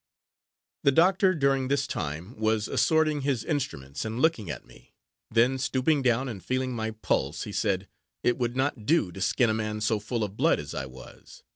The doctor, during this time, was assorting his instruments, and looking at me then stooping down, and feeling my pulse, he said, it would not do to skin a man so full of blood as I was.